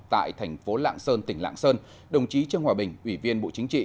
tại thành phố lạng sơn tỉnh lạng sơn đồng chí trương hòa bình ủy viên bộ chính trị